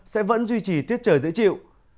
sẽ vẫn duy trì tiết trời dễ chịu